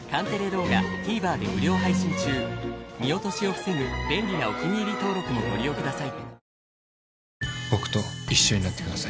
見落としを防ぐ便利なお気に入り登録もご利用ください。